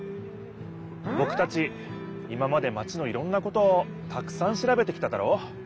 ぼくたち今までマチのいろんなことをたくさんしらべてきただろ。